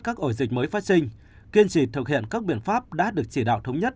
các ổ dịch mới phát sinh kiên trì thực hiện các biện pháp đã được chỉ đạo thống nhất